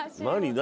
何？